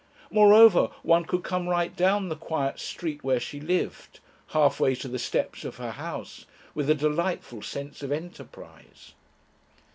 Moreover, one could come right down the quiet street where she lived, halfway to the steps of her house, with a delightful sense of enterprise.